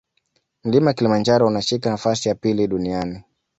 mlima kilimanjaro unashika nafasi ya pili duniani